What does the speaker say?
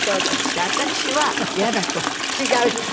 で私は「イヤだ」と。違う人。